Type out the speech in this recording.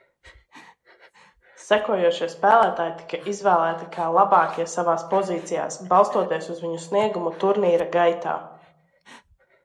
Sekojošie spēlētāji tika izvēlēti kā labākie savās pozīcijās, balstoties uz viņu sniegumu turnīra gaitā.